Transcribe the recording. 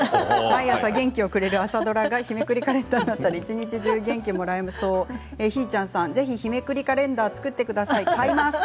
毎朝元気をくれる朝ドラが日めくりカレンダーになったら一日元気をもらえそうぜひ、日めくりカレンダー作ってください